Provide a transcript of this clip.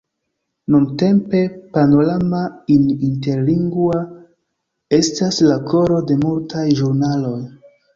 Nuntempe, Panorama In Interlingua estas la koro de multaj ĵurnaloj.